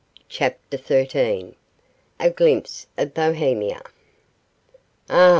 CHAPTER XIII A GLIMPSE OF BOHEMIA 'AH!